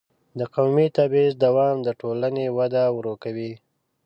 د قومي تبعیض دوام د ټولنې وده ورو کوي.